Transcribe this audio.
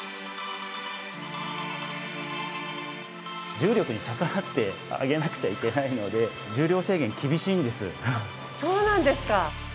重力に逆らって上げなくちゃいけないのでそうなんですか。